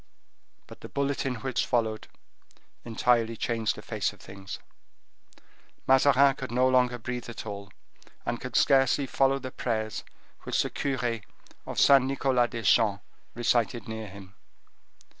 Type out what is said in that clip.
But the bulletin which followed entirely changed the face of things. Mazarin could no longer breathe at all, and could scarcely follow the prayers which the cure of Saint Nicholas des Champs recited near him.